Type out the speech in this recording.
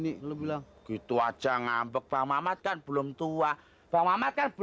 nasib tidak diuntung udah tua belum pengebini